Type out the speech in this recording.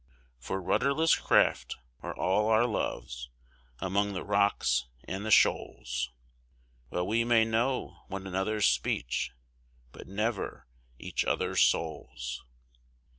For rudderless craft are all our loves, among the rocks and the shoals, Well we may know one another's speech, but never each other's souls.